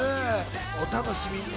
お楽しみに。